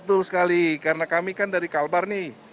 betul sekali karena kami kan dari kalbar nih